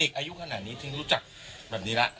ขนาดนี้ถึงรู้จักแบบนี้ล่ะ